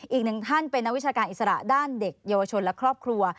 อีกหนึ่งท่านเป็นนักวิชาการอิสระด้านเด็กเยาวชนและครอบครัว